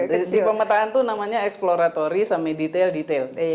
di pemetaan itu namanya exploratory sampe detail detail